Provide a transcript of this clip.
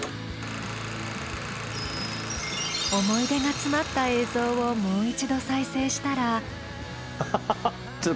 思い出が詰まった映像をもう一度再生したら。